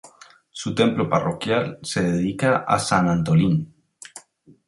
Su templo parroquial se dedica a San Antolín.